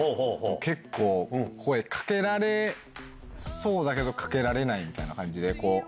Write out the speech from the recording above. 結構、声かけられそうだけど、かけられないみたいな感じで、こう。